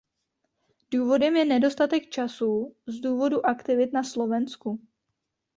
Důvodem je nedostatek času z důvodu aktivit na Slovensku.